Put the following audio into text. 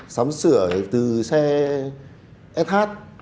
sắm sửa từ xe sh